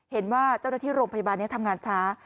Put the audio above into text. เห็นว่าเจ้าหน้าที่โรงพยาบาลนี้ทำงานช้า